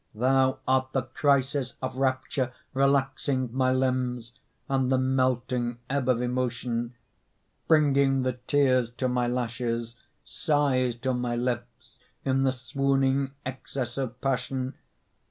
Thou art the crisis of rapture Relaxing my limbs, and the melting Ebb of emotion; Bringing the tears to my lashes, Sighs to my lips, in the swooning Excess of passion.